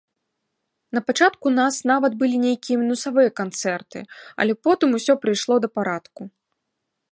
Напачатку ў нас нават былі нейкія мінусавыя канцэрты, але потым усё прыйшло да парадку.